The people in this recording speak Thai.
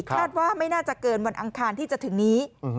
คาดว่าไม่น่าจะเกินวันอังคารที่จะถึงนี้